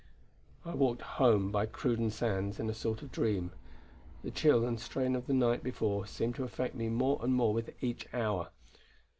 I walked home by Cruden sands in a sort of dream. The chill and strain of the night before seemed to affect me more and more with each hour.